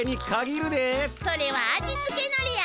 それは味つけのりや。